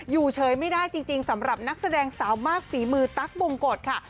อยู่เฉยไม่ได้จริงสำหรับนักแสดงสาวมากฝีมือตั๊กบงกฎค่ะ